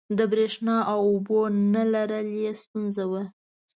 د برېښنا او اوبو نه لرل یې ستونزه وه.